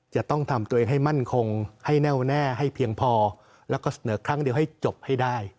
จะต้องทำตัวเองให้มั่นคงให้แน่วแน่ให้เพียงพอแล้วก็เสนอครั้งเดียวให้จบให้ได้